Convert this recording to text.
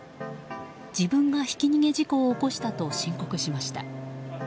自分がひき逃げ事故を起こしたと申告しました。